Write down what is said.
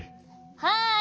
はい！